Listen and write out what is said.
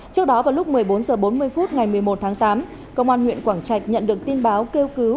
trước đó vào lúc một mươi bốn h bốn mươi phút ngày một mươi một tháng tám công an huyện quảng trạch nhận được tin báo kêu cứu